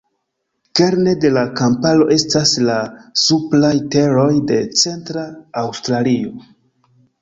Kerne de la kamparo estas la supraj teroj de centra Aŭstralio.